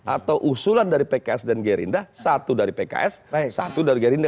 atau usulan dari pks dan gerindra satu dari pks satu dari gerindra